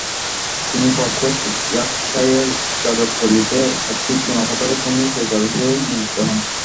তিনি ফরসেট, ইয়র্কশাইয়ারের যাজকপল্লীতে একটি চুনাপাথরের খনির পরিচালক হিসেবে নিয়জিত হন।